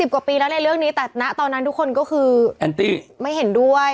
กว่าปีแล้วในเรื่องนี้แต่ณตอนนั้นทุกคนก็คือแอนตี้ไม่เห็นด้วย